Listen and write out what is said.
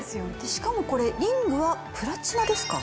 しかもこれリングはプラチナですか？